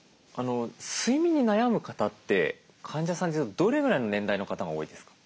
睡眠に悩む方って患者さんでどれぐらいの年代の方が多いですか？